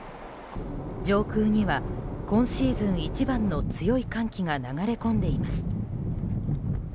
上空には今シーズン一番の強い寒気が流れ込んでいます。